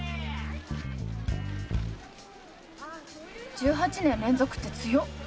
１８年連続って強っ！